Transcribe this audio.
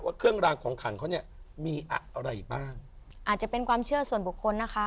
เครื่องรางของขังเขาเนี่ยมีอะไรบ้างอาจจะเป็นความเชื่อส่วนบุคคลนะคะ